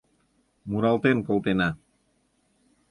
Муралтен колтена.